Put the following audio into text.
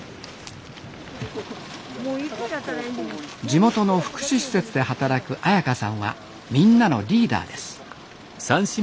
地元の福祉施設で働く朱伽さんはみんなのリーダーです。